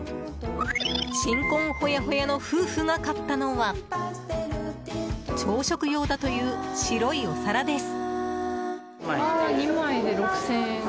新婚ほやほやの夫婦が買ったのは朝食用だという白いお皿です。